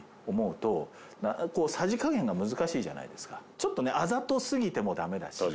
ちょっとねあざとすぎてもダメだし。